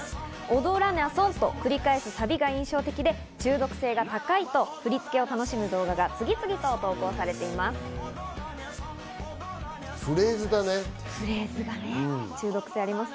「踊らにゃ損」と繰り返すサビが印象的で中毒性が高いと振り付けを楽しむ動画が次々と投稿されているんです。